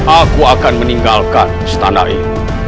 aku akan meninggalkan istana ini